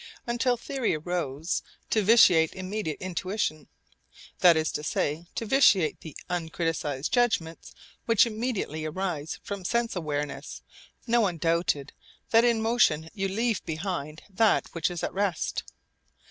Until theory arose to vitiate immediate intuition, that is to say to vitiate the uncriticised judgments which immediately arise from sense awareness, no one doubted that in motion you leave behind that which is at rest.